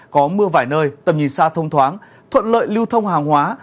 có mưa vài nơi tầm nhìn xa thông thoáng thuận lợi lưu thông hàng hóa